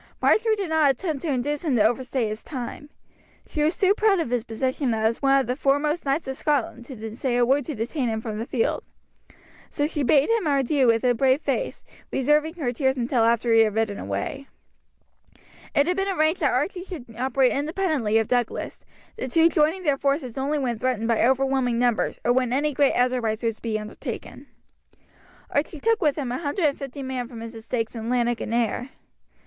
Marjory did not attempt to induce him to overstay his time. She was too proud of his position as one of the foremost knights of Scotland to say a word to detain him from the field. So she bade him adieu with a brave face, reserving her tears until after he had ridden away. It had been arranged that Archie should operate independently of Douglas, the two joining their forces only when threatened by overwhelming numbers or when any great enterprise was to be undertaken. Archie took with him a hundred and fifty men from his estates in Lanark and Ayr.